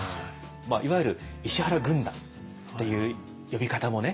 まあいわゆる「石原軍団」っていう呼び方もね